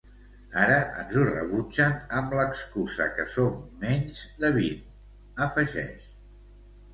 Ara ens ho rebutgen amb l'excusa que som menys de vint, afegeix.